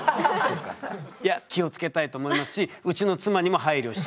いや気を付けたいと思いますしうちの妻にも配慮したいと思います。